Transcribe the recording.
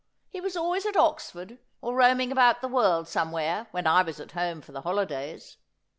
He was always at Oxford, or roaming about the world somewhere, when I was at home for the holidays.